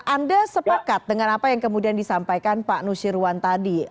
anda sepakat dengan apa yang kemudian disampaikan pak nusirwan tadi